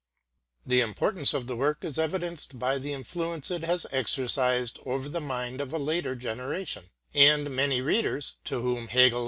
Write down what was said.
The importance of the work is evidenced by the influence it has exercised over the mind of a later generation; and many readers, to whom Hegel (see Vol.